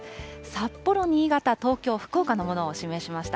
札幌、新潟、東京、福岡のものを示しました。